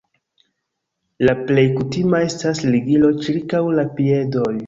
La plej kutima estas ligilo ĉirkaŭ la piedoj.